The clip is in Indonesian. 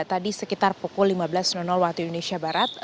tadi sekitar pukul lima belas waktu indonesia barat